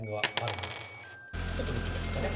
ちょっと見てみましょうかね。